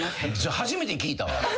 初めて聞いたわ。